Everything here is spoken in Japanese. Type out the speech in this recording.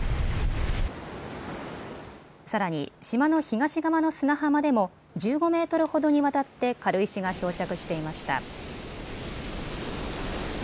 さらに島の東側の砂浜でも１５メートルほどにわたって軽石が漂着していました。